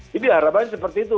jadi harapannya seperti itu